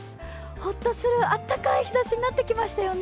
ホッとするあったかい日ざしになってきましたよね。